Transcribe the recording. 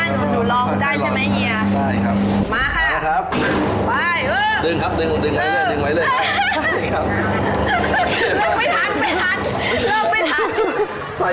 ไม่เร็วเกินไปไม่ช้าเกินไป